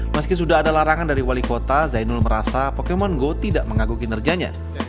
meski sudah ada larangan dari wali kota zainul merasa pokemon go tidak mengaguhi nerjanya